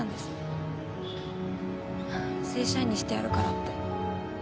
正社員にしてやるからって。